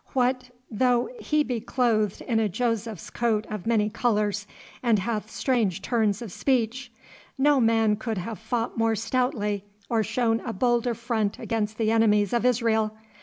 'What though he be clothed in a Joseph's coat of many colours, and hath strange turns of speech! No man could have fought more stoutly or shown a bolder front against the enemies of Israel.